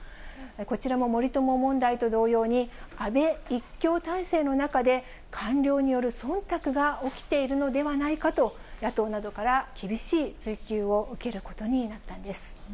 こちらも森友問題と同様に、安倍一強体制の中で、官僚によるそんたくが起きているのではないかと、野党などから厳しい追及を受けることになったんです。